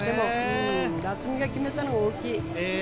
渥美が決めたのが大きい。